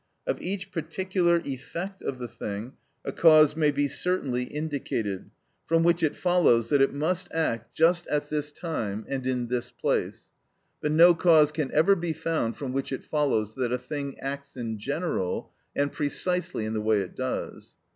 Of each particular effect of the thing a cause may be certainly indicated, from which it follows that it must act just at this time and in this place; but no cause can ever be found from which it follows that a thing acts in general, and precisely in the way it does.